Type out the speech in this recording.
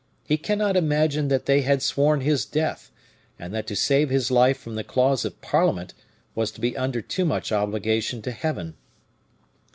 He cannot imagine that they had sworn his death, and that to save his life from the claws of parliament was to be under too much obligation to Heaven."